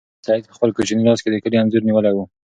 سعید په خپل کوچني لاس کې د کلي انځور نیولی و.